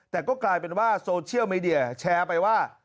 แต่ก็กลายเป็นว่าโซเชียลมีเดียแชร์ไปว่า